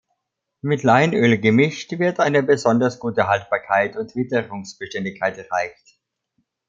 Mit Leinöl gemischt, wird eine besonders gute Haltbarkeit und Witterungsbeständigkeit erreicht.